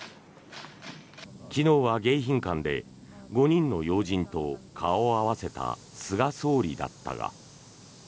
昨日は迎賓館で５人の要人と顔を合わせた菅総理だったが。